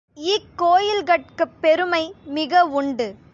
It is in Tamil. இக் கோயில்கட்குப் பெருமை மிக உண்டு.